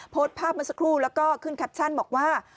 โพสต์ภาพเมื่อสักครู่แล้วก็ขึ้นแคปชั่นบอกว่า